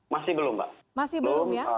masih belum mbak masih belum ya